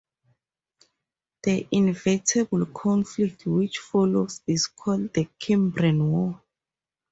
The inevitable conflict which followed is called the Cimbrian War.